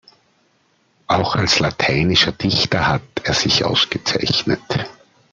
Auch als lateinischer Dichter hat er sich ausgezeichnet.